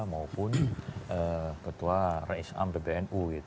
maupun ketua rainsam bbnu